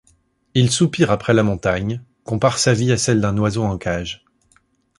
Il soupire après la montagne, compare sa vie à celle d'un oiseau en cage.